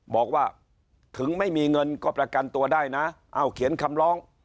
บอกว่าถึงไม่มีเงินก็ประกันตัวได้นะเอ้าเขียนคำร้อง